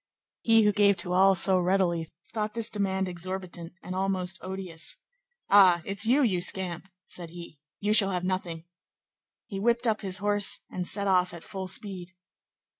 He who gave to all so readily thought this demand exorbitant and almost odious. "Ah! it's you, you scamp?" said he; "you shall have nothing." He whipped up his horse and set off at full speed.